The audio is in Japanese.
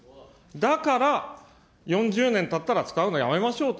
だから、４０年たったら使うのやめましょうと。